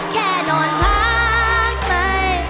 แค่นอนพักใหม่